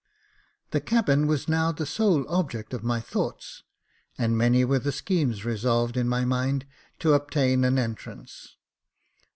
The cabin was now the sole object of my thoughts, and many were the schemes resolved in my mind to obtain an entrance.